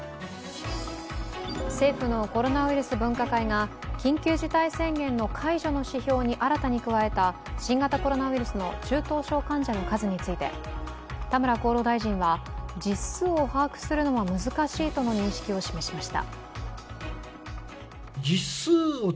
政府のコロナウイルス分科会が緊急事態宣言の解除の指標に新たに加えた新型コロナウイルスの中等症患者の数について、田村厚労大臣は、実数を把握することは難しいとの認識を示しました。